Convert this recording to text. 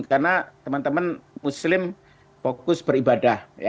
karena teman teman muslim fokus beribadah